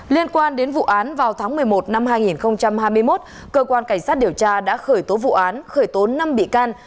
liên quan đến vụ án vào tháng một mươi một năm hai nghìn hai mươi một cơ quan cảnh sát điều tra đã khởi tố vụ án khởi tố năm bị can